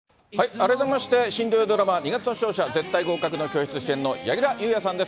改めまして、新土曜ドラマ、二月の勝者ー絶対合格の教室ー主演の柳楽優弥さんです。